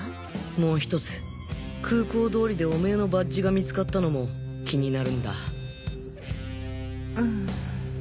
もう１つ空港通りでオメーのバッジが見つかったのも気になるんだ。